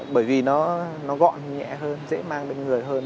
bởi vì nó gọn nhẹ hơn dễ mang đến người hơn